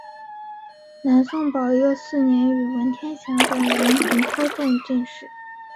南宋宝佑四年与文天祥等人同科中进士。